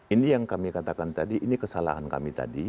ini yang kami katakan tadi ini kesalahan kami tadi